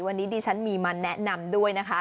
วันนี้ดิฉันมีมาแนะนำด้วยนะคะ